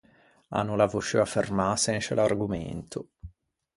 A no l’à vosciuo affermâse in sce l’argomento.